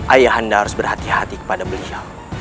ayahanda harus berhati hati kepada beliau